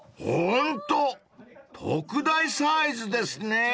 ［ホント特大サイズですね！］